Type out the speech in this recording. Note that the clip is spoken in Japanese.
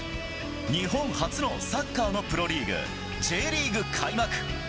日本初のサッカーのプロリーグ、Ｊリーグ開幕。